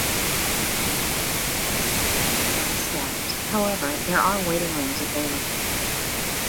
The station is unstaffed however there are waiting rooms available.